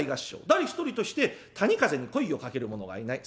誰一人として谷風に声をかける者がいない。